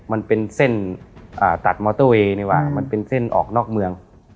มันเป็นเส้นอ่าตัดเนี่ยว่ามันเป็นเส้นออกนอกเมือง